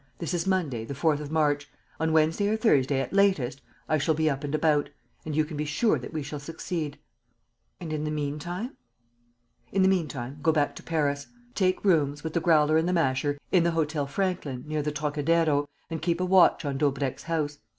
This is Monday, the 4th of March. On Wednesday or Thursday, at latest, I shall be up and about. And you can be sure that we shall succeed." "And, in the meantime...." "In the meantime, go back to Paris. Take rooms, with the Growler and the Masher, in the Hôtel Franklin, near the Trocadero, and keep a watch on Daubrecq's house.